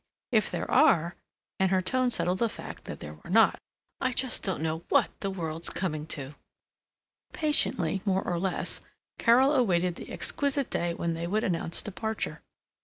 If there are," and her tone settled the fact that there were not, "I just don't know what the world's coming to!" Patiently more or less Carol awaited the exquisite day when they would announce departure.